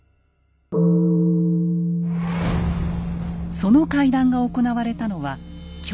その会談が行われたのは京都。